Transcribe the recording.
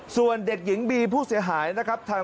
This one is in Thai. ส่วนเด็กหญิงบีผู้เสียหายนะครับ